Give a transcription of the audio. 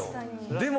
でも。